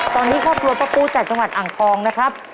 ตอนนี้ครอบครัวป้าปูจากจังหวัดอ่างทองนะครับ